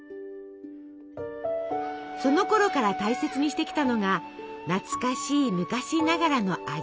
そのころから大切にしてきたのが「懐かしい昔ながらの味」。